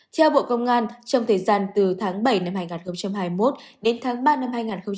theo bộ công an trong thời gian từ tháng bảy năm hai nghìn hai mươi một đến tháng ba năm hai nghìn hai mươi